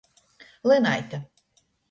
Lynaite.